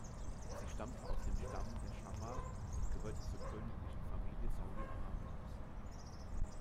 Sie stammte aus dem Stamm der Schammar und gehörte zur königlichen Familie Saudi-Arabiens.